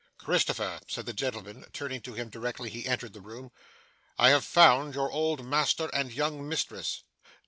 'Christopher,' said the gentleman, turning to him directly he entered the room, 'I have found your old master and young mistress.